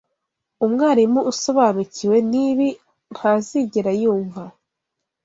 Umwarimu usobanukiwe n’ibi ntazigera yumva